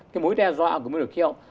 cái mối đe dọa của mối đội khí hậu